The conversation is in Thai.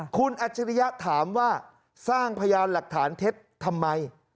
คุณอัจฉริยะถามว่าสร้างพยานหลักฐานเท็จทำไม